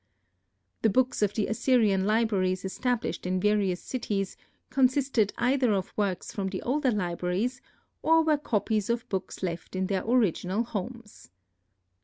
The books of the Assyrian libraries established in various cities consisted either of works from the older libraries or were copies of books left in their original homes.